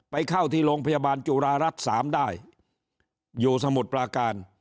ไปเข้าที่โรงพยาบาลจุฬารัฐ๓ได้อยู่สมุทรปราการ